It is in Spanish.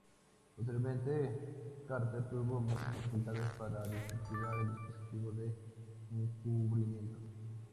Posteriormente, Carter tuvo muchas dificultades para desactivar el dispositivo de encubrimiento.